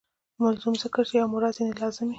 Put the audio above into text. ملزوم ذکر سي او مراد ځني لازم يي.